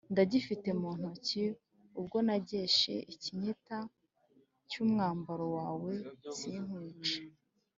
ndagifite mu ntoki, ubwo nageshe ikinyita cy’umwambaro wawe sinkwice.